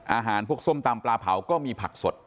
อาหารพวกส้มตำปลาเผาก็มีผักสด